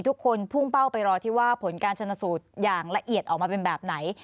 พุ่งเป้าไปรอที่ว่าผลการชนสูตรอย่างละเอียดออกมาเป็นแบบไหน